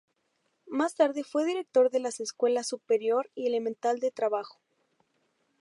Más tarde fue director de las Escuelas Superior y Elemental de Trabajo.